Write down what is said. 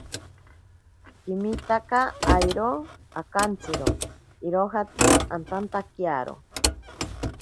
Kimitaka airo akantsiro irojatsi antantakiaro.